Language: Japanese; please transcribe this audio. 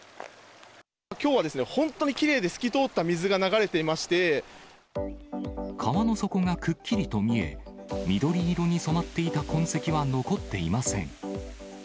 きょうは本当にきれいで透き川の底がくっきりと見え、緑色に染まっていた痕跡は残っていません。